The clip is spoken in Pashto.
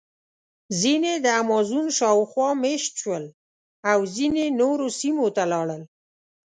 ځینې د امازون شاوخوا مېشت شول او ځینې نورو سیمو ته لاړل.